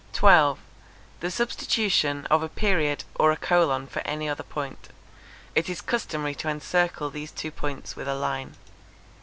12. The substitution of a period or a colon for any other point. It is customary to encircle these two points with a line.